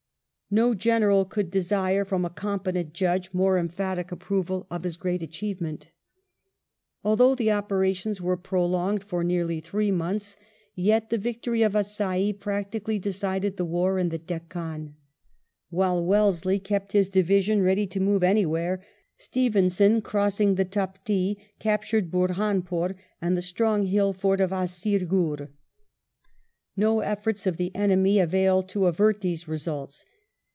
No General could desire, from a competent judgei mofO emphatic approval of his great achievement Although the operations were prolonged for nearly thr^e months, yet the victory of Assaye practically decided the war in the Deccan* While Wellesley k«pt . his division ready to move anywhere, Stevenson crossing the Taptee captured Burhanpore and the strong hill fort of Aaseerghur, No efforts of the enemy availed to avert these results.